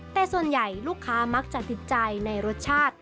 แต่ส่วนใหญ่ลูกค้ามักจะติดใจในรสชาติ